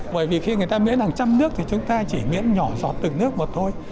bởi vì khi người ta miễn hàng trăm nước thì chúng ta chỉ miễn nhỏ giọt từng nước một thôi